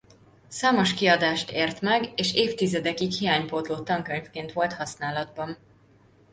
Számos kiadást ért meg és évtizedekig hiánypótló tankönyvként volt használatban.